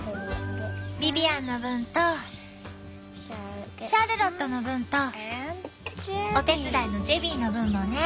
ビビアンの分とシャルロットの分とお手伝いのジェビーの分もね。